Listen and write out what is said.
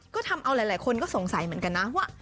ก็ทำเอาหลายคนก็สงสัยเหมือนกันนะว่า